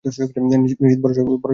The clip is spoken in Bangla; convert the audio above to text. নিশ্চিত বড়োসড়ো ফ্যাসাদে পড়েছো।